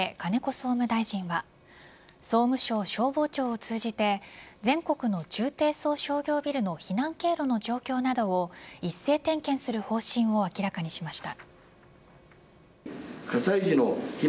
総務大臣は総務省消防庁を通じて全国の中低層商業ビルの避難経路の状況などを一斉点検する方針を明らかにしました。